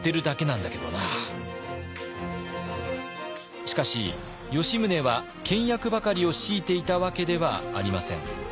しかし吉宗は倹約ばかりを強いていたわけではありません。